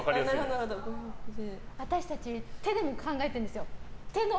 私たち手で考えてるんですよ。